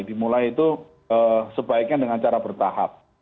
dimulai itu sebaiknya dengan cara bertahap